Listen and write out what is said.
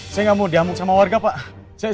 saya gak mau diamut sama warga pak